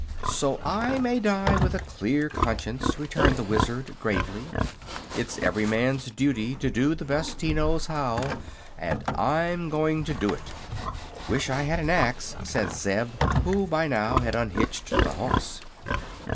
"So I may die with a clear conscience," returned the Wizard, gravely. "It's every man's duty to do the best he knows how; and I'm going to do it." "Wish I had an axe," said Zeb, who by now had unhitched the horse.